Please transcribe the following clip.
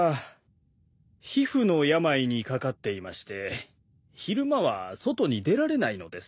皮膚の病にかかっていまして昼間は外に出られないのです。